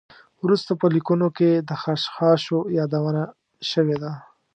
وروسته په لیکنو کې د خشخاشو یادونه شوې ده.